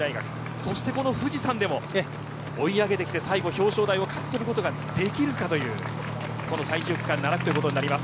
そしてこの富士山でも追い上げて、最後、表彰台を勝ちとることができるかという最終区間７区です。